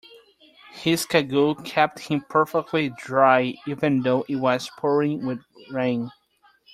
His cagoule kept him perfectly dry even though it was pouring with rain